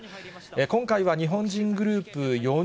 今回は日本人グループ４人。